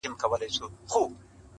و مُلا ته، و پاچا ته او سره یې تر غلامه